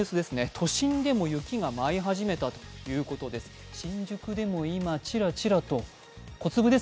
都心でも雪が舞い始めたということです。